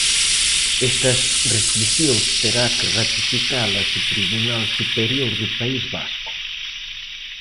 Estas restricións terá que ratificalas o Tribunal Superior do País Vasco.